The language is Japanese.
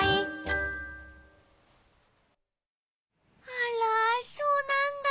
あらそうなんだ。